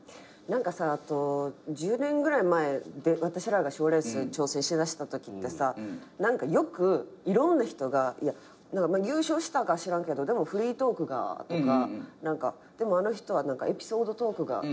あと１０年ぐらい前私らが賞レース挑戦しだしたときってさよくいろんな人が優勝したか知らんけどでもフリートークがとかでもあの人はエピソードトークがとか。